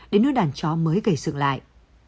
để nuôi đàn chó mới gây sự lạc